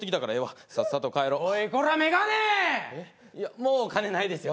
もうお金ないですよ。